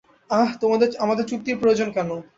আহ, আমাদের চুক্তির প্রয়োজন কেন?